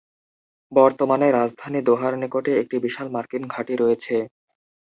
বর্তমানে রাজধানী দোহার নিকটে একটি বিশাল মার্কিন ঘাঁটি রয়েছে।